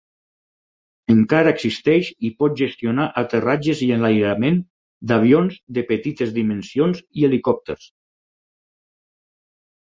Encara existeix i pot gestionar aterratges i enlairament d'avions de petites dimensions i helicòpters.